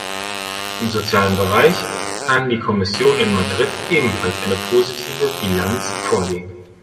Im sozialen Bereich kann die Kommission in Madrid ebenfalls eine positive Bilanz vorlegen.